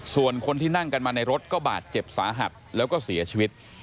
ส่วนคนที่นั่งกันมาในรถก็บาดเจ็บสาหัสแล้วก็เสียชีวิต